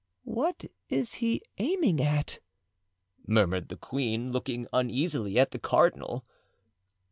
"What is he aiming at?" murmured the queen, looking uneasily at the cardinal.